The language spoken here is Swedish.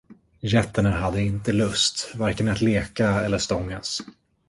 Getterna hade inte lust varken att leka eller stångas.